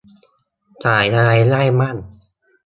สายอะไรได้บ้าง ?